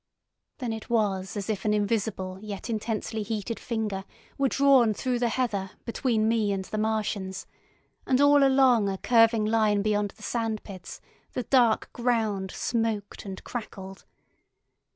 Then it was as if an invisible yet intensely heated finger were drawn through the heather between me and the Martians, and all along a curving line beyond the sand pits the dark ground smoked and crackled.